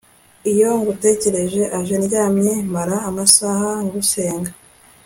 iyo ngutekerereje aho ndyamye, mara amasaha ngusenga